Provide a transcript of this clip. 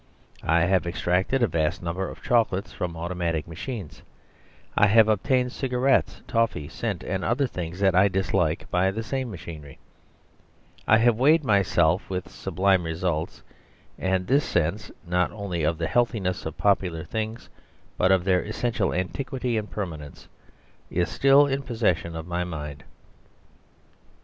I have extracted a vast number of chocolates from automatic machines; I have obtained cigarettes, toffee, scent, and other things that I dislike by the same machinery; I have weighed myself, with sublime results; and this sense, not only of the healthiness of popular things, but of their essential antiquity and permanence, is still in possession of my mind.